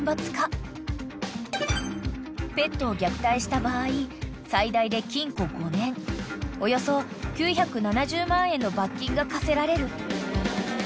［ペットを虐待した場合最大で禁錮５年およそ９７０万円の罰金が科せられる］